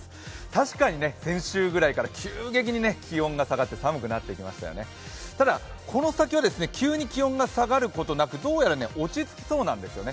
確かに先週ぐらいから急激に気温が下がって寒くなってきましたよね、ただこの先は急に気温が下がることなく、どうやら落ち着きそうなんですよね。